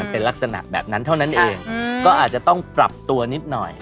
เป็นลักษณะแบบนั้นเท่านั้นเองก็อาจจะต้องปรับตัวนิดหน่อย